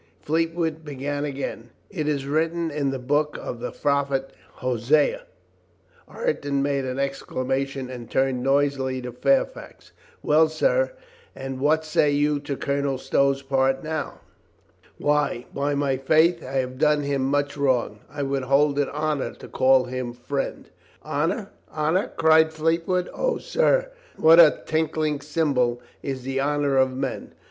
Fleetwood began again : "It is written in the book of the Prophet Hosea " Ireton made an exclamation and turned noisily to Fairfax: "Well, sir, and what say you to Colonel Stow's part now ?" 434 THE LIEUTENANT GENERAL SPEAKS 435 "Why, by my faith, I have done him much wrong. I would hold it honor to call him friend. I " "Honor! Honor!" cried Fleetwood. "O, sir, what a tinkling cymbal is the honor of men.